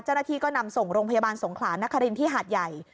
เจ้าหน้าที่ก็นำส่งโรงพยาบาลสงขลานครินที่หาดใหญ่